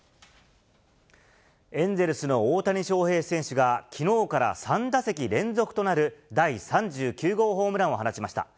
エンゼルスの大谷翔平選手が、きのうから３打席連続となる第３９号ホームランを放ちました。